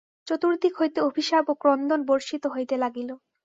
চতুর্দিক হইতে অভিশাপ ও ক্রন্দন বর্ষিত হইতে লাগিল।